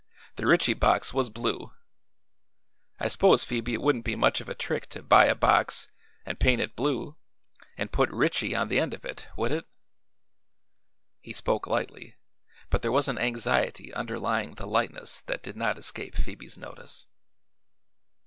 The Ritchie box was blue. I s'pose, Phoebe, it wouldn't be much of a trick to buy a box, an' paint it blue, an' put 'Ritchie' on the end of it; would it?" He spoke lightly, but there was an anxiety underlying the lightness that did not escape Phoebe's notice.